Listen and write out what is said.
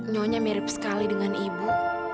nyonya mirip sekali dengan ibu